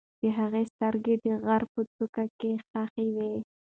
د هغې سترګې د غره په څوکه کې خښې وې.